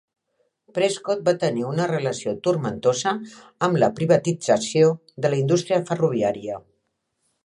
Prescott va tenir una relació turmentosa amb la privatització de la indústria ferroviària.